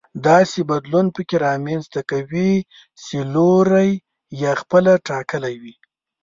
داسې بدلون پکې رامنځته کوي چې لوری يې خپله ټاکلی وي.